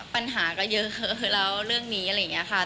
ปัญหาก็เยอะแล้วเรื่องนี้อะไรอย่างนี้ค่ะ